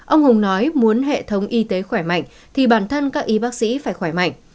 ông hùng nói muốn hệ thống y tế khỏe mạnh thì bản thân các y bác sĩ phải khỏe mạnh